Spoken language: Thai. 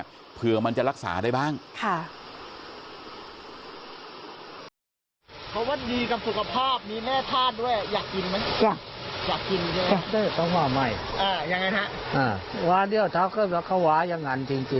เผื่อมันจะรักษาได้บ้างค่ะ